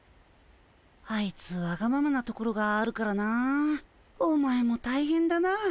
あいつわがままなところがあるからなお前も大変だな。